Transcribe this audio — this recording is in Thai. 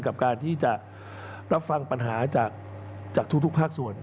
กับการที่จะรับฟังปัญหาจากทุกภาคส่วน